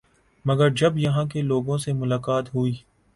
مگر جب یہاں کے لوگوں سے ملاقات ہوئی